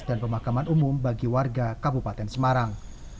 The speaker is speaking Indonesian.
ini adalah pemakaman umum bagi warga kabupaten semarang